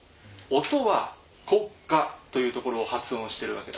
音は「国家」というところを発音してるわけだ。